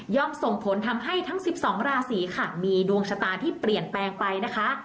ส่งผลทำให้ทั้ง๑๒ราศีค่ะมีดวงชะตาที่เปลี่ยนแปลงไปนะคะ